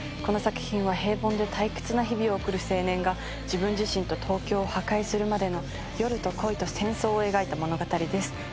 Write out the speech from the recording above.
この作品は平凡で退屈な日々を送る青年が自分自身と東京を破壊するまでの夜と恋と戦争を描いた物語です。